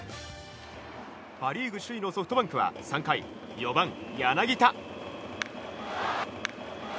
パ・リーグ首位のソフトバンクは３回４番、柳田。